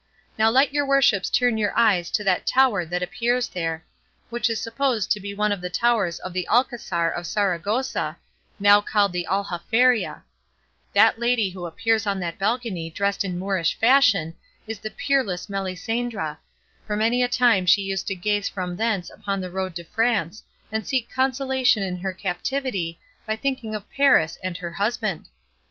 Now let your worships turn your eyes to that tower that appears there, which is supposed to be one of the towers of the alcazar of Saragossa, now called the Aljaferia; that lady who appears on that balcony dressed in Moorish fashion is the peerless Melisendra, for many a time she used to gaze from thence upon the road to France, and seek consolation in her captivity by thinking of Paris and her husband.